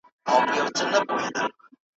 ټولنیز نظام په څو بڼو ویشل سوی دی؟